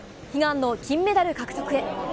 悲願の金メダル獲得へ。